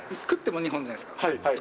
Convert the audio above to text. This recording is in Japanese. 食っても２本じゃないですか。